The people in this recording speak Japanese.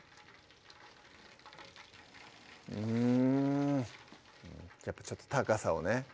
うんやっぱちょっと高さをね